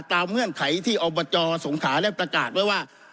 ตามเฮื่อนไขที่อสงขาบอกว่า